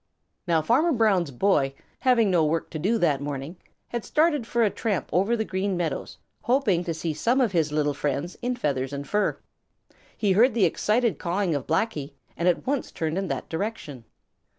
Now Farmer Brown's boy, having no work to do that morning, had started for a tramp over the Green Meadows, hoping to see some of his little friends in feathers and fur. He heard the excited cawing of Blacky and at once turned in that direction.